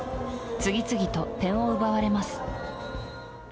次々と点を奪われます。